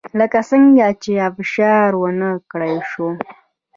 لکه څنګه چې ابشار ونه کړای شوه